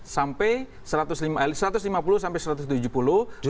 sampai satu ratus lima puluh sampai satu ratus tujuh puluh